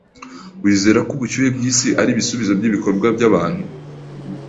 Wizera ko ubushyuhe bwisi ari ibisubizo byibikorwa byabantu?